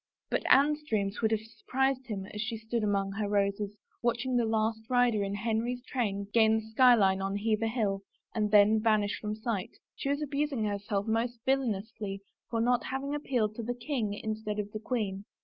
But Anne's dreams would have surprised him as she stood among her roses, watching the last rider in Henry's train gain the sky line on Hever Hill and then vanish from sight, — she was abusing herself most villainously for not having appealed to the king instead of the queen.